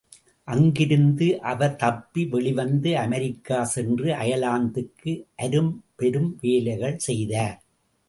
அங்கிருந்து அவர்தப்பி வெளிவந்து, அமெரிக்கா சென்று அயர்லாந்துக்கு அரும்பெரும் வேலைகள் செய்தார்.